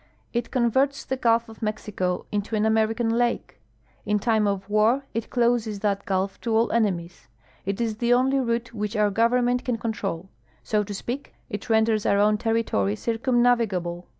It converts tlie gulf of IMexico into an American lake. In time of war it closes that gulf to all enemies. It is the only route whicli our Govern ment can control. So to sj^eak, it renders our own territory circum navigable.